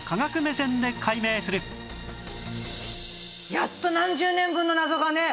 やっと何十年分の謎がね